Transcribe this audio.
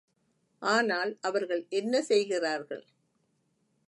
ஆனால் அவர்கள் என்ன செய்கிறார்கள்.